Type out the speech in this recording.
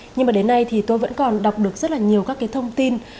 nhưng mà đến nay thì tôi vẫn còn đọc được rất là nhiều các cái thông tin